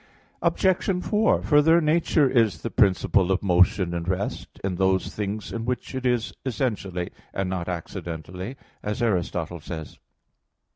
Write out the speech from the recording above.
Obj. 4: Further, "Nature is the principle of motion and rest, in those things in which it is essentially, and not accidentally," as Aristotle says (Phys.